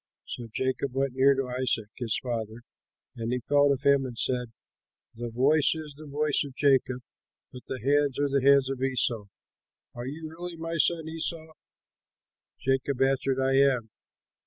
So Jacob went near to Isaac his father, and he felt of him and said, "The voice is the voice of Jacob, but the hands are the hands of Esau. Are you really my son Esau?" Jacob answered, "I am."